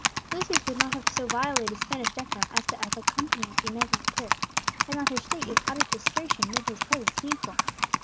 Lucius would not have so violated Spanish decorum as to have accompanied Inez in the carriage, had not her state of utter prostration made his presence needful.